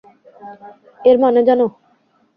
এর মানে জানো?